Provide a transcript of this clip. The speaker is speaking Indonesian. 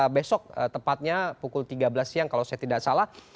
besok tepatnya pukul tiga belas siang kalau saya tidak salah